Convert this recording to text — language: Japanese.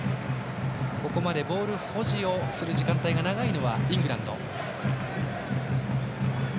ここまでボール保持をする時間帯が長いのはイングランド。